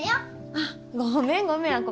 あっごめんごめん亜子。